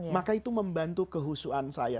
maka itu membantu kehusuan saya